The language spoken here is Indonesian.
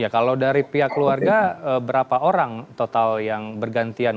kalau dari pihak keluarga berapa orang total yang bergantian